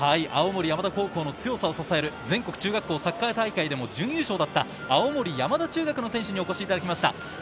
青森山田高校の強さを支える全国中学校サッカー大会でも準優勝だった青森山田中学の選手にお越しいただきました。